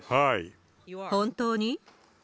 本当に？